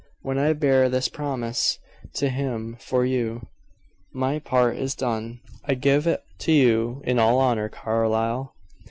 When I bear this promise to him for you, my part is done." "I give it to you in all honor, Carlyle.